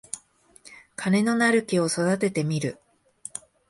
金のなる木を育ててみる